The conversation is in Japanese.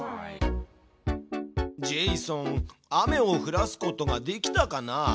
ジェイソン雨を降らすことができたかな？